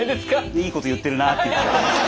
いいこと言ってるなあって。